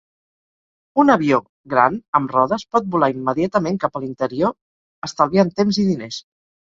Un avió gran amb rodes pot volar immediatament cap a l'interior, estalviant temps i diners.